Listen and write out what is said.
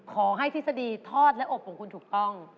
ขอให้ทฤษฎีทอดและอบปรงคุณถูกต้อง